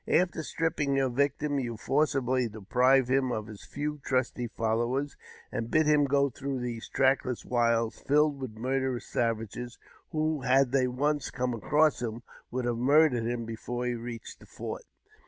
After stripping your \ victim, you forcibly deprive him of his few trusty followers,™ and bid him go through these trackless wilds, filled with murderous savages, who, had they once come across him^ would have murdered him before he reached the fort."